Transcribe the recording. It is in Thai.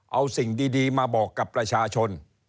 เอาสิ่งดีมาบอกกับประชาชน